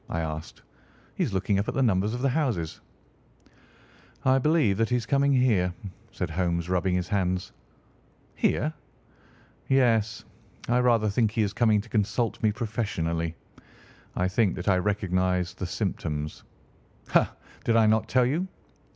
I asked. "He is looking up at the numbers of the houses." "I believe that he is coming here," said Holmes, rubbing his hands. "Here?" "Yes; I rather think he is coming to consult me professionally. I think that I recognise the symptoms. Ha! did I not tell you?"